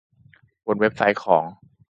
บนเว็บไซต์ของ